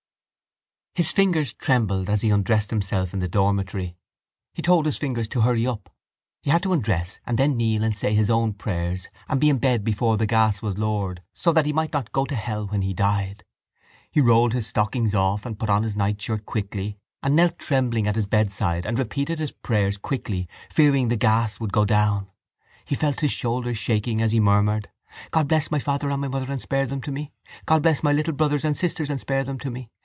His fingers trembled as he undressed himself in the dormitory. He told his fingers to hurry up. He had to undress and then kneel and say his own prayers and be in bed before the gas was lowered so that he might not go to hell when he died. He rolled his stockings off and put on his nightshirt quickly and knelt trembling at his bedside and repeated his prayers quickly, fearing that the gas would go down. He felt his shoulders shaking as he murmured: God bless my father and my mother and spare them to me! God bless my little brothers and sisters and spare them to me!